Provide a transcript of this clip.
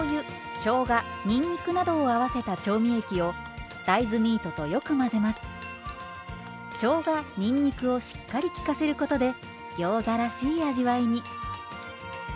しょうがにんにくをしっかり効かせることでギョーザらしい味わいに。